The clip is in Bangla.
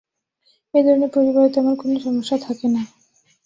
এ-ধরনের পরিবারে তেমন কোনো সমস্যা থাকে না।